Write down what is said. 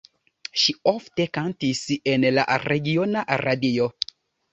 Ŝi ofte kantis en la regiona radio.